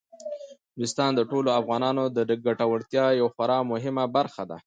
نورستان د ټولو افغانانو د ګټورتیا یوه خورا مهمه برخه ده.